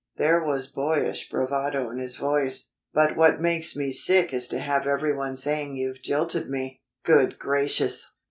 There was boyish bravado in his voice. "But what makes me sick is to have everyone saying you've jilted me." "Good gracious!